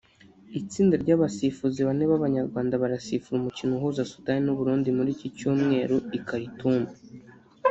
Itsinda ry’abasifuzi bane b’Abanyarwanda barasifura umukino uhuza Sudan n’u Burundi kuri iki Cyumweru i Khartoum